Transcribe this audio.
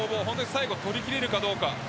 最後取りきれるかどうか。